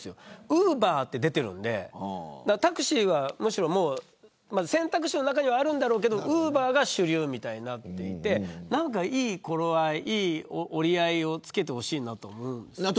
ウーバーって出ているんでタクシーはむしろ選択肢の中にはあるんだろうけどウーバーが主流みたいになっていていい頃合い、いい折り合いをつけてほしいなと思うんです。